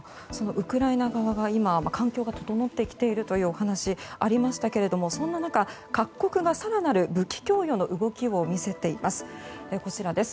ウクライナ側が今、環境が整ってきているというお話がありましたけれどもそんな中、各国が更なる武器供与の動きを見せています。